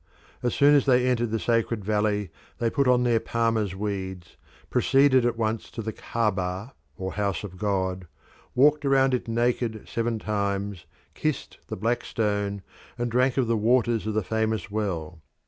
As soon as they entered the Sacred Valley they put on their palmers' weeds, proceeded at once to the Caaba or house of God, walked round it naked seven times, kissed the black stone and drank of the waters of the famous well.